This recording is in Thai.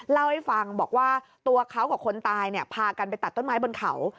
เล่าให้ฟังบอกว่าตัวเขากับคนตายพากันไปตัดต้นไม้บนเขา